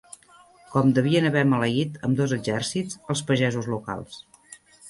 Com devien haver maleït, ambdós exèrcits, els pagesos locals